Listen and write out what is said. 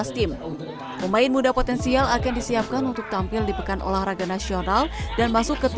tim pemain muda potensial akan disiapkan untuk tampil di pekan olahraga nasional dan masuk ke